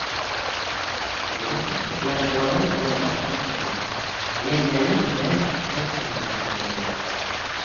«Дуҫлыҡ» тип нарыҡланған ыҙанды аша атламаны, Мәҙинәне уңайһыҙ хәлгә ҡуйманы.